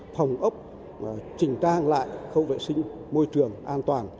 phòng ốc trình trang lại khâu vệ sinh môi trường an toàn